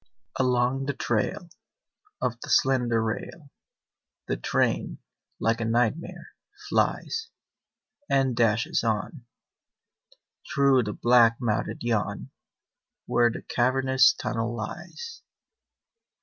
Along the trail Of the slender rail The train, like a nightmare, flies And dashes on Through the black mouthed yawn Where the cavernous tunnel lies.